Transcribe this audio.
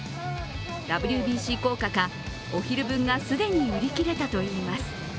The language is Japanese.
ＷＢＣ効果か、お昼分が既に売り切れたといいます。